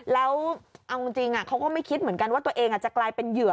แล้วเอาจริงเขาก็ไม่คิดเหมือนกันว่าตัวเองจะกลายเป็นเหยื่อ